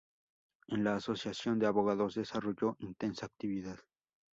En la Asociación de Abogados desarrolló intensa actividad.